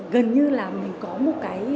gần như là mình có một cái